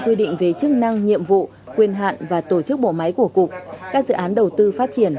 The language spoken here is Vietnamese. quy định về chức năng nhiệm vụ quyền hạn và tổ chức bộ máy của cục các dự án đầu tư phát triển